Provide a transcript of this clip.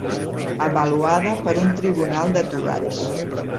Avaluada per un tribunal de togats.